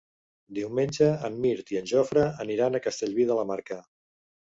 Diumenge en Mirt i en Jofre aniran a Castellví de la Marca.